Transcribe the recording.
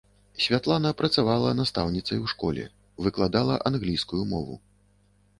Святлана працавала настаўніцай у школе, выкладала англійскую мову.